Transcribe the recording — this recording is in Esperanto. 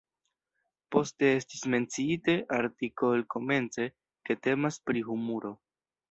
Poste estis menciite artikol-komence, ke temas pri humuro.